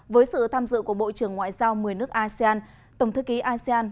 với sự tham dự của bộ trưởng ngoại giao một mươi nước asean tổng thư ký asean